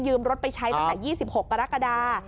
รถไปใช้ตั้งแต่๒๖กรกฎา